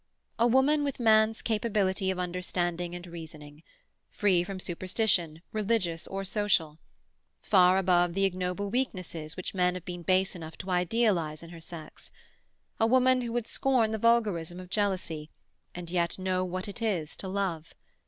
A woman with man's capability of understanding and reasoning; free from superstition, religious or social; far above the ignoble weaknesses which men have been base enough to idealize in her sex. A woman who would scorn the vulgarism of jealousy, and yet know what it is to love.